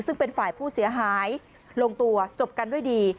ซึ่งเป็นฝ่ายผู้เสียหายลงตัวจบกันด้วยดี